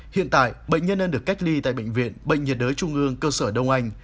hiện tại bệnh nhân đang được cách ly tại bệnh viện bệnh nhiệt đới trung ương cơ sở đông anh